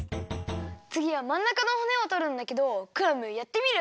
つぎはまんなかのほねをとるんだけどクラムやってみる？